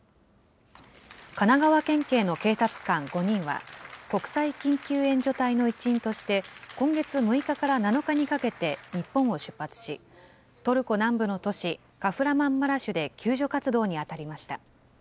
神奈川県警の警察官５人は、国際緊急援助隊の一員として、今月６日から７日にかけて、日本を出発し、トルコ南部の都市、カフラマンマラシュで救助活動に当たりました。